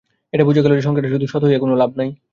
যাক, এটা বোঝা গেল, সংসারে শুধু সৎ হইয়া কোনো লাভ নাই।